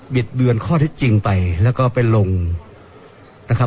ิดเบือนข้อเท็จจริงไปแล้วก็ไปลงนะครับ